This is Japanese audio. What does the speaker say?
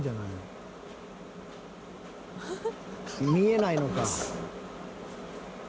見えないのか。